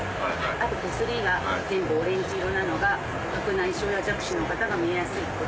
あと手すりが全部オレンジ色なのが白内障や弱視の方が見えやすい。